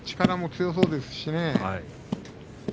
力も強そうですしね。